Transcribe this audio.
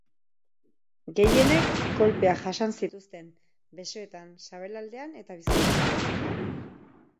Gehienek kolpeak jasan zituzten, besoetan, sabelaldean eta bizkarrezurrean.